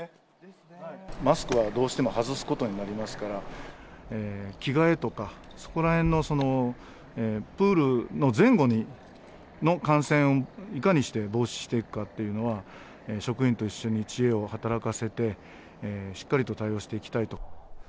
マスクはどうしても外すことになりますから、着替えとか、そこらへんのプールの前後の感染をいかにして防止していくかっていうのは、職員と一緒に知恵を働かせて、しっかりと対応していきたいと。